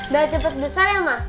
biar cepat besar ya ma